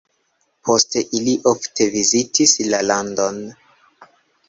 Poste ili ofte vizitis la landon.